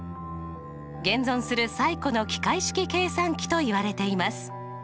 現存する最古の機械式計算機といわれています。